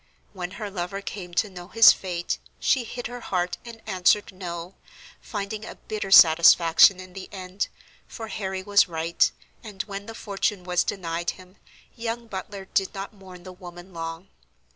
When her lover came to know his fate, she hid her heart, and answered "no," finding a bitter satisfaction in the end, for Harry was right, and, when the fortune was denied him, young Butler did not mourn the woman long.